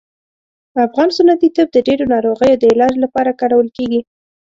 افغان سنتي طب د ډیرو ناروغیو د علاج لپاره کارول کیږي